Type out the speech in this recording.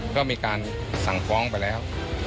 ก็มีการสั่งฟ้องไปแล้ว